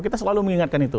kita selalu mengingatkan itu